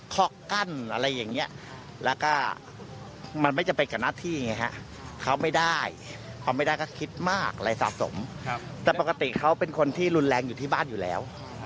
แต่ปกติเขาเป็นคนที่รุนแรงอยู่บ้านอยู่แล้ว